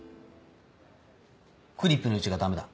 クリップの位置がダメだ。